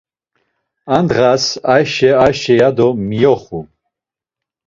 A ndğas Ayşe Ayşe ya do miyoxu.